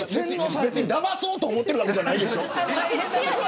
別に、だまそうとしてるわけじゃないでしょう。